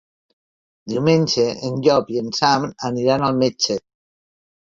Diumenge en Llop i en Sam aniran al metge.